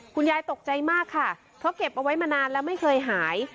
คุณยายตกใจมากค่ะเพราะเก็บเอาไว้มานานแล้วไม่เคยหาย